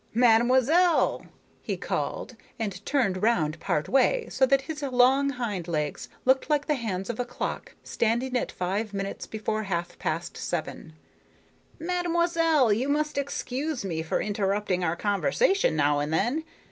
"Mademoiselle," he called and turned round part way, so that his long hindlegs looked like the hands of a clock standing at five minutes before half past seven, "mademoiselle, you must excuse me for interrupting our conversation now and then.